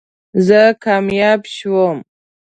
زه کامیاب شوم